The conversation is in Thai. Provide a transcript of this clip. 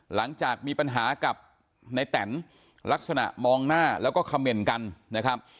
หลังจากมีปัญหากับในแตนลักษณะมองหน้าแล้วก็คำเมนต์กันนะครับ